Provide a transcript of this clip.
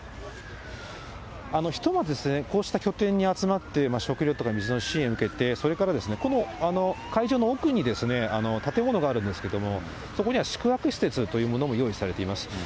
ひとまず、こうした拠点に集まって食料とか水の支援を受けて、それからこの会場の奥に建物があるんですけども、そこには宿泊施設というものも用意されています。